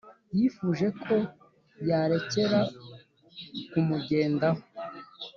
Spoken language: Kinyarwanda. yifuje ko yarekera kumugendaho